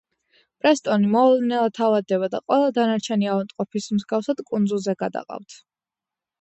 პრესტონი მოულოდნელად ავადდება და ყველა დანარჩენი ავადმყოფის მსგავსად კუნძულზე გადაყავთ.